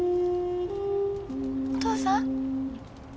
お父さん？